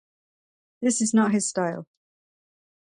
This is not his style.